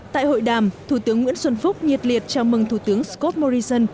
tại hội đàm thủ tướng nguyễn xuân phúc nhiệt liệt chào mừng thủ tướng scott morrison